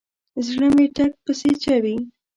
زړه مې ټک پسې چوي.